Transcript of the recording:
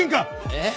えっ？